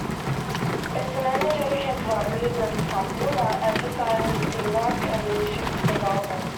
It is an energetic and collaborative ensemble that emphasizes teamwork and leadership development.